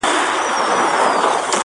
كومه يوه خپله كړم.